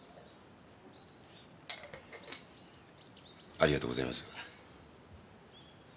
ありがとうございます。